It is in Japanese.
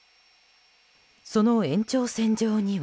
その延長線上には。